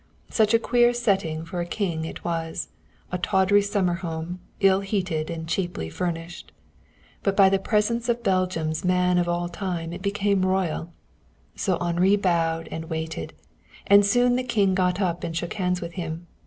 Such a queer setting for a king it was a tawdry summer home, ill heated and cheaply furnished. But by the presence of Belgium's man of all time it became royal. So Henri bowed and waited, and soon the King got up and shook hands with him.